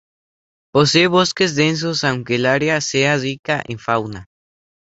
Posee bosques densos, aunque el área sea rica en fauna.